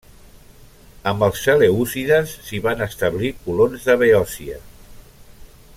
Amb els selèucides s'hi van establir colons de Beòcia.